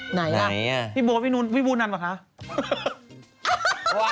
ไหนอ่ะพี่โบพี่นูนพี่บูนันเหรอคะอย่าหกกกกกฎ